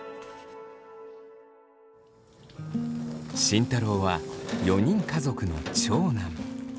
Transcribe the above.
慎太郎は４人家族の長男。